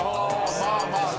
まあまあね。